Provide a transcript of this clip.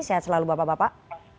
sehat selalu bapak bapak